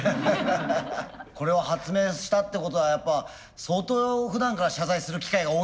これを発明したってことはやっぱ相当ふだんから謝罪する機会が多いんだろうね。